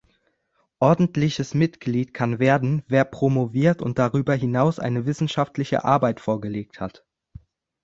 Ordentliches Mitglied kann werden, wer promoviert und darüber hinaus eine wissenschaftliche Arbeit vorgelegt hat.